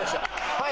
はい。